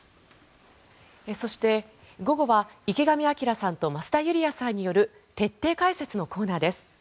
そして、午後は池上彰さんと増田ユリヤさんによる徹底解説のコーナーです。